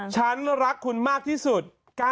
ฉันรักคุณมากที่สุด๙๑๑๒๐๑๙